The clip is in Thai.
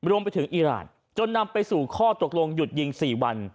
รวมไปถึงอีรานจนนำไปสู่ข้อตกลงหยุดยิง๔วัน